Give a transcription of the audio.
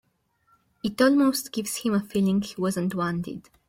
It almost gives him a feeling he wasn't wanted.